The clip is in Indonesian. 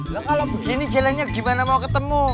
lho kalo begini jeleknya gimana mau ketemu